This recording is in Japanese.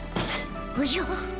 おじゃ。